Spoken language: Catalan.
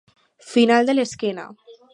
Final de l'esquena.